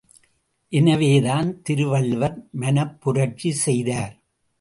எனவேதான் திருவள்ளுவர் மனப்புரட்சி செய்தார்.